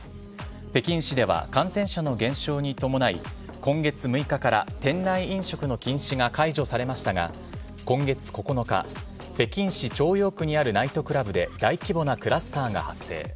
北京市では感染者の減少に伴い、今月６日から店内飲食の禁止が解除されましたが、今月９日、北京市朝陽区にあるナイトクラブで大規模なクラスターが発生。